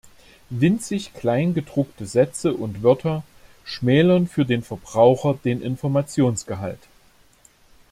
Winzig klein gedruckte Sätze und Wörter schmälern für den Verbraucher den Informationsgehalt.